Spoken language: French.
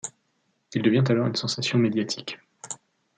Il devient alors une sensation médiatique.